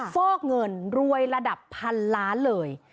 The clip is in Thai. ฟอกเงินรวยระดับพันล้านเลย